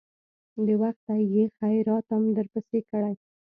د وخته يې خيراتم درپسې کړى.